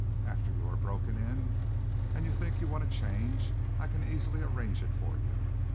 After you are broken in and you think you want a change I can easily arrange it for you.